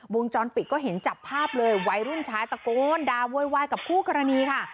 วงจรปิดก็เห็นจับภาพเลยวัยรุ่นชายตะโกนด่าโวยวายกับคู่กรณีค่ะ